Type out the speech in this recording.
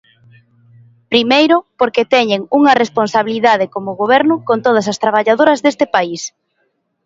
Primeiro porque teñen unha responsabilidade como Goberno con todas as traballadoras deste país.